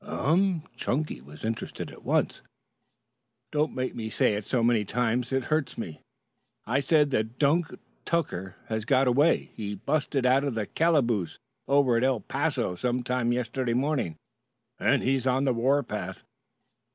"Em" Chunky was interested at once. "Don't make me say it so many times. It hurts me. I said that Dunk Tucker has got away. He 'busted' out of the calaboose over at El Paso some time yesterday morning and he's on the warpath."